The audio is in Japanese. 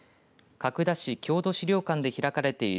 角田市郷土資料館で開かれている